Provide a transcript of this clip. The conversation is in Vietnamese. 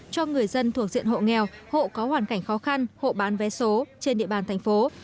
cho người dân thuộc diện hộ nghèo hộ có hoàn cảnh khó khăn hộ bán vé số trên địa bàn thành phố